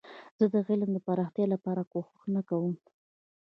زه د علم د پراختیا لپاره کوښښ نه کوم.